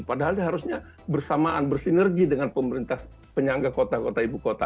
padahal dia harusnya bersamaan bersinergi dengan pemerintah penyangga kota kota ibu kota